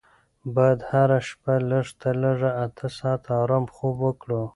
باید هره شپه لږ تر لږه اته ساعته ارامه خوب وکړو.